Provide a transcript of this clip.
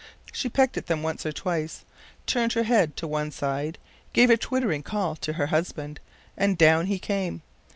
She pecked at them once or twice, turned her head to one side, gave a twittering call to her husband, and down he came.